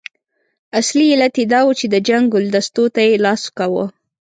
اصلي علت یې دا وو چې د جنت ګلدستو ته یې لاس کاوه.